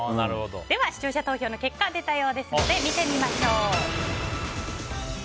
では視聴者投票の結果出たようですので見てみましょう。